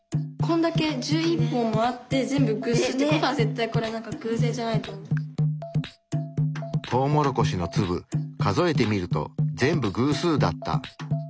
こんだけ１１本もあって全部偶数って事は絶対これはトウモロコシの粒数えてみると全部偶数だった。